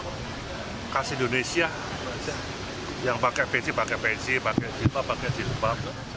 makasih indonesia yang pakai pc pakai pc pakai cipa pakai cipa